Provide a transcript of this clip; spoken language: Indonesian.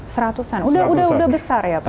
seratusan udah besar ya pak